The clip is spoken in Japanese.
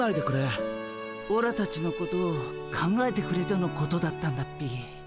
オラたちのことを考えてくれてのことだったんだっピィ。